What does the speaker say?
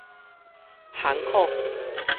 反抗